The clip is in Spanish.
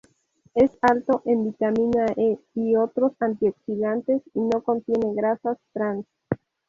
Es alto en vitamina E y otros antioxidantes y no contiene grasas trans.